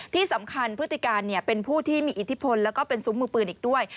ที่สำคัญพฤติการเป็นผู้ที่มีอิทธิพลแล้วก็เป็นซุ้มมือปืนอีกด้วย